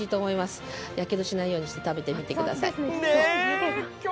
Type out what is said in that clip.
やけどしないようにして食べてみてください。